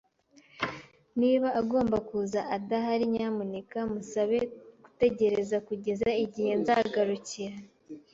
Niba agomba kuza adahari, nyamuneka musabe gutegereza kugeza igihe nzagarukira.